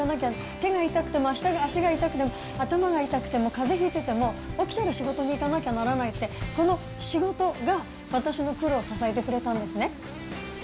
手が痛くても、足が痛くても、頭が痛くても、かぜひいてても、起きたら仕事に行かなきゃならないって、この仕事が私の苦労を支えてくれたんですね。